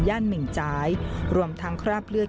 ย่านเหม่งจายรวมทั้งคราบเลือด